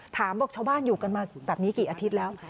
บอกชาวบ้านอยู่กันมาแบบนี้กี่อาทิตย์แล้ว